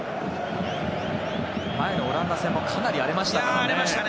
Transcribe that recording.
前のオランダ戦もかなり荒れましたからね。